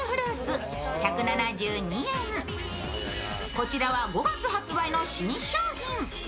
こちらは５月発売の新商品。